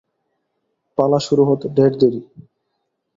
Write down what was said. পালা শুরু হতে ঢের দেরি।